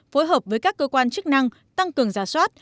phối hợp với các cơ quan chức năng tăng cường giả soát